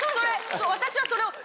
私はそれを。